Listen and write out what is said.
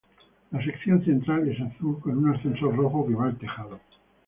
La sección central es azul con un ascensor rojo que va al tejado.